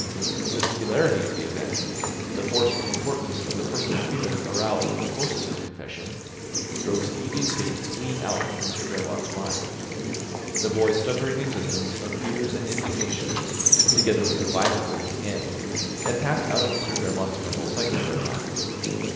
The singularity of the event, the force and importance of the personal feelings aroused in the course of this confession, drove Stevie's fate clean out of Mr Verloc's mind. The boy's stuttering existence of fears and indignations, together with the violence of his end, had passed out of Mr Verloc's mental sight for a time.